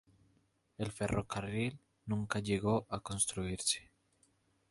El ferrocarril nunca llegó a construirse.